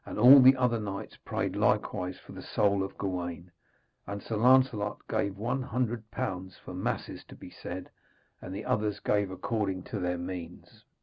All the other knights prayed likewise for the soul of Gawaine, and Sir Lancelot gave one hundred pounds for masses to be said, and the others gave according to their means.